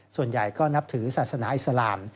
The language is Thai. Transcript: ส่วนใหญ่ก็นับถือศาสนาอิสลาม